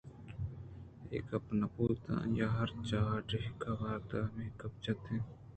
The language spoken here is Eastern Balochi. اے گپےنہ بوت آئی ءَ ہرکجا ڈیکّ وارت ہمے گپ جت اَنت